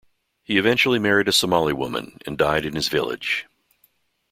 He eventually married a Somali woman and died in his village.